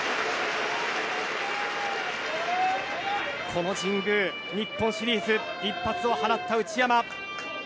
この神宮、日本シリーズ一発を放った内山。